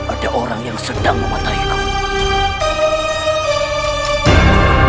ada orang yang sedang mematahi kau